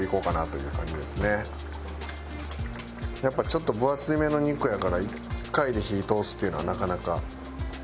やっぱちょっと分厚めの肉やから１回で火を通すっていうのはなかなか。